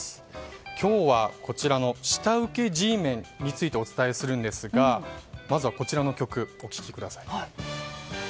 今日は下請けＧメンについてお伝えするんですがまずはこちらの曲お聴きください。